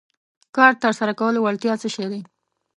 کار تر سره کولو وړتیا څه شی دی.